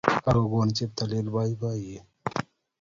Kagogonon cheptailel boiboiyet